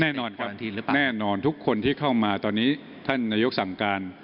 แน่นอนครับแน่นอนทุกคนที่เข้ามาตอนนี้ท่านนายกสั่งการ